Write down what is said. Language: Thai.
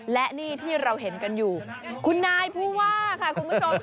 และนี่ที่เราเห็นกันอยู่คุณนายผู้ว่าค่ะคุณผู้ชม